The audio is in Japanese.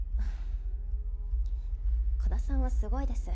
鼓田さんはすごいです。